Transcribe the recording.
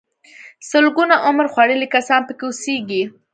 سلګونه عمر خوړلي کسان پکې اوسيږي.